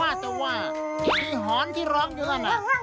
ว่าแต่ว่ายังมีหอนที่ร้องอยู่ตอนนั้น